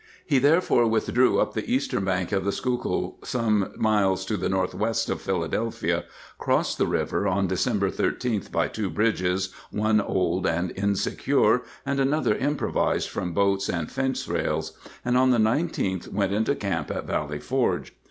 He therefore withdrew up the eastern bank of the Schuylkill some miles to the northwest of Philadelphia, crossed the river on December 13th by two bridges, one old and insecure and another improvised, from boats and fence rails, and on the 19th went into camp at Valley Forge.